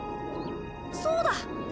そうだ！